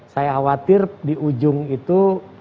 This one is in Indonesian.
saya khawatir di ujung itu